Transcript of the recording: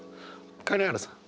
金原さん。